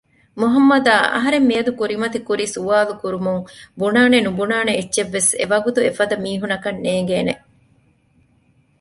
މުހައްމަދާ އަހަރެން މިއަދު ކުރިމަތި ކުރި ސުވާލުކުރުމުން ބުނާނެ ނުބުނާނެ އެއްޗެއް ވެސް އެވަގުތު އެފަދަ މީހުންނަކަށް ނޭނގޭނެ